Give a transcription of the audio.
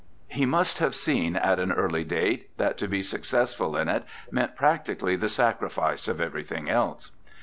He must have seen at an early date that to be successful in it meant practically the sacrifice of everything else.